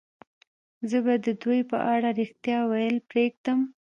زه به د دوی په اړه رښتیا ویل پرېږدم